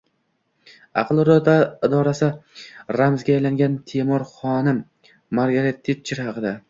Ayol irodasi ramziga aylangan “Temir xonim” — Margaret Tetcher haqida